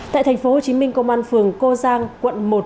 tại thành phố hồ chí minh công an phường cô giang quận một